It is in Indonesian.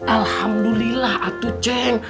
alhamdulillah atuh ceng